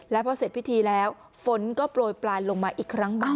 แล้วพอเสร็จพิธีแล้วฝนก็โปรยปลายลงมาอีกครั้งหนึ่ง